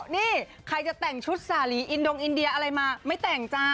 นี่ใครจะแต่งชุดสาหรีอินดงอินเดียอะไรมาไม่แต่งจ้า